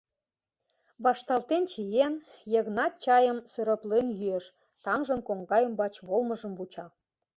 Вашталтен чиен, Йыгнат чайым сырӧплен йӱэш, таҥжын коҥга ӱмбач волымыжым вуча.